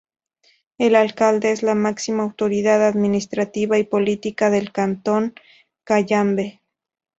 El Alcalde es la máxima autoridad administrativa y política del Cantón Cayambe.